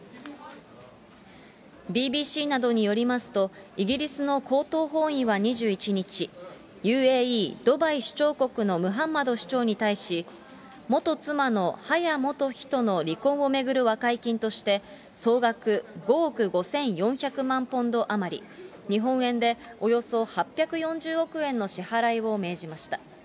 ＢＢＣなどによりますと、イギリスの高等法院は２１日、ＵＡＥドバイ首長国のムハンマド首長に対し、元妻のハヤ元妃との離婚を巡る和解金として、総額５億５４００万ポンド余り、日本円でおよそ８４０億円の支払いを命じました。